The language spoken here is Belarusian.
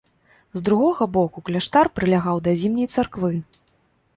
З другога боку кляштар прылягаў да зімняй царквы.